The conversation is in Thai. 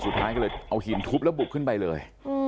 สุดท้ายก็เลยเอาหินทุบแล้วบุกขึ้นไปเลย